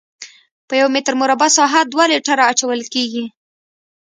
په یو متر مربع ساحه دوه لیټره اچول کیږي